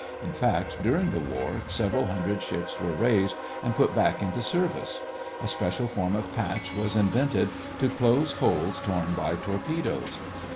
In fact, during the war several hundred ships were raised and put back into service. A special form of patch was invented to close holes torn by torpedoes.